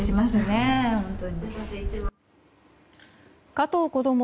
加藤こども